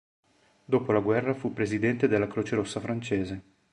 Dopo la guerra fu presidente della Croce Rossa francese.